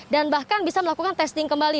dan bahkan bisa melakukan testing kembali